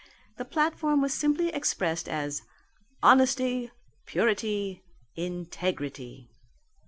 The platform was simply expressed as Honesty, Purity, Integrity.